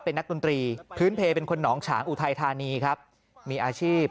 เป็นนักดนตรีพื้นเพลเป็นคนหนองฉางอุทัยธานีครับมีอาชีพ